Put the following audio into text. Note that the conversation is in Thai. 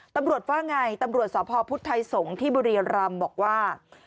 ตำรวจว่าอย่างไรตำรวจสภพพุทธัยสงฆ์ที่บริรัมณ์บอกว่า